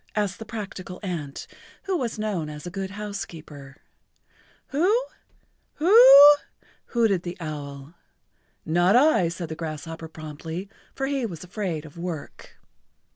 asked the practical ant, who was known as a good housekeeper. [Pg 81]"Who? Who oo?" hooted the owl. "Not I," said the grasshopper promptly, for he was afraid of work.